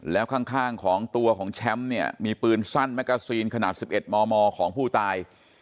แล้วข้างของตัวของแชมป์เนี่ยมีปืนสั้นแมกกาซีนขนาด๑๑มมของผู้ตาย